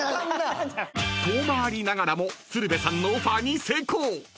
［遠回りながらも鶴瓶さんのオファーに成功］